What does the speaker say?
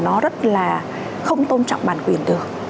nó rất là không tôn trọng bản quyền được